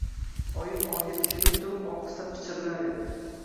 Oyim oyga tikilib turib ohista pichirlar edi.